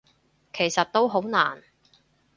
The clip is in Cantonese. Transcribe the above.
其實都好難